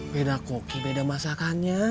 beda koki beda masakannya